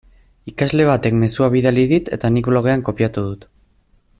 Ikasle batek mezua bidali dit eta nik blogean kopiatu dut.